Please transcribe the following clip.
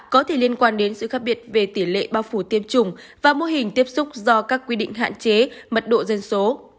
có thể liên quan đến sự khác biệt về tỷ lệ bao phủ tiêm chủng và mô hình tiếp xúc do các quy định hạn chế mật độ dân số